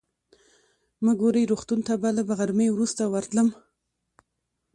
مګوري روغتون ته به له غرمې وروسته ورتلم.